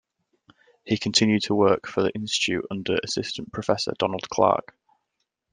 He continued to work for the Institute under Assistant Professor Donald Clark.